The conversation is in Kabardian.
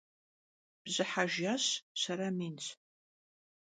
Bjıhe jjeş şere minş.